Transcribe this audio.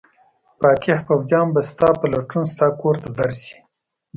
فاتح پوځیان به ستا په لټون ستا کور ته درشي.